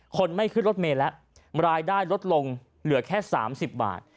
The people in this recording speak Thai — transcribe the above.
คนไม่ขึ้นรถเมย์แล้วรายได้ลดลงเหลือแค่๓๐บาท